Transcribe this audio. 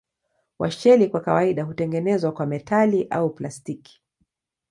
Washeli kwa kawaida hutengenezwa kwa metali au plastiki.